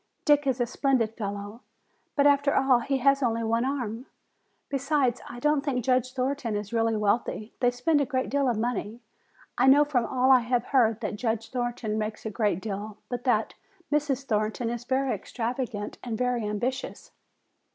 Dick is a splendid fellow, but after all he has only one arm. Besides, I don't think Judge Thornton is really wealthy. They spend a great deal of money. I know from all I have heard that Judge Thornton makes a great deal, but that Mrs. Thornton is very extravagant and very ambitious."